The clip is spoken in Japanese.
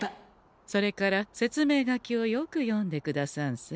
それから説明書きをよく読んでくださんせ。